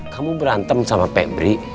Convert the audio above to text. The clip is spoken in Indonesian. kamu berantem sama pebri